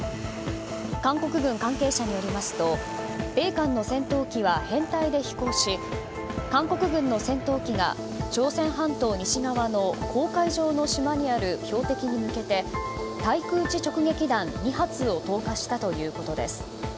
韓国軍関係者によりますと米韓の戦闘機は編隊で飛行し韓国軍の戦闘機が朝鮮半島西側の黄海上の島にある標的に向けて対空地直撃弾２発を投下したということです。